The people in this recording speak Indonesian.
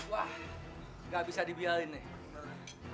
wah gak bisa dibiarin nih